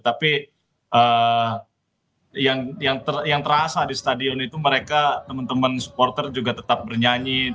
tapi yang terasa di stadion itu mereka teman teman supporter juga tetap bernyanyi